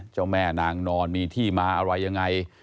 เจ้าแม่นางนอนมีที่มาอะไรยังไง